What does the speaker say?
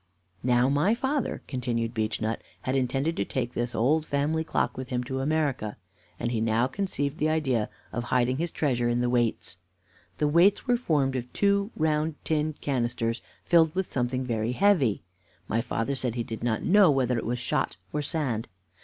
"Now, my father," continued Beechnut, "had intended to take this old family clock with him to America, and he now conceived the idea of hiding his treasure in the weights. The weights were formed of two round tin canisters filled with something very heavy. My father said he did not know whether it was shot or sand.